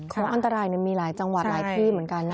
โค้งอันตรายเนี่ยมีหลายจังหวัดหลายที่เหมือนกันนะครับ